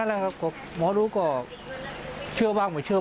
สองสามีภรรยาคู่นี้มีอาชีพ